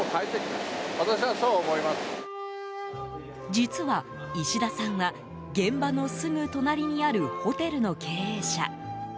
実は石田さんは、現場のすぐ隣にあるホテルの経営者。